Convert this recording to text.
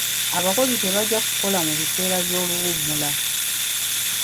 Abakozi tebajja kukola mu biseera by'oluwummula.